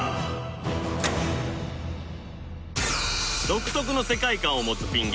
独特の世界観を持つピン